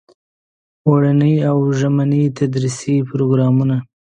اوړني او ژمني تدریسي پروګرامونه.